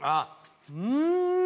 うん！